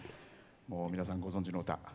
皆さんご存じの歌。